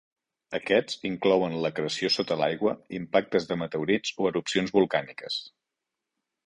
Aquests inclouen l'acreció sota l'aigua, impactes de meteorits o erupcions volcàniques.